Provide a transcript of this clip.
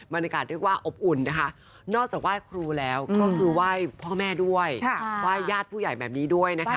บรรยากาศเรียกว่าอบอุ่นนะคะนอกจากไหว้ครูแล้วก็คือไหว้พ่อแม่ด้วยไหว้ญาติผู้ใหญ่แบบนี้ด้วยนะคะ